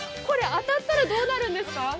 これ、当たったらどうなるんですか？